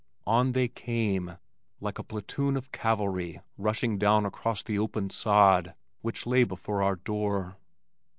On they came, like a platoon of cavalry rushing down across the open sod which lay before our door.